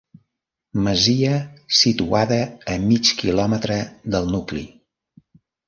Masia situada a mig quilòmetre del nucli.